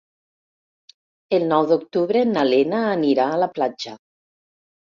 El nou d'octubre na Lena anirà a la platja.